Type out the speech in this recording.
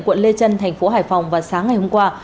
quận lê trân thành phố hải phòng vào sáng ngày hôm qua